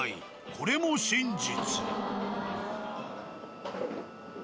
これも真実。